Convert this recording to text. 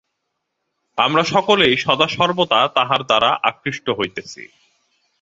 আমরা সকলেই সদাসর্বদা তাঁহার দ্বারা আকৃষ্ট হইতেছি।